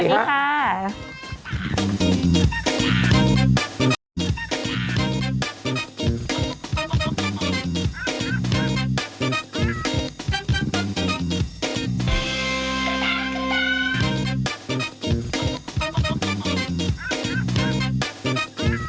ห๊า